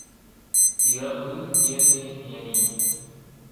இறப்பு இயற்கையின் நியதி.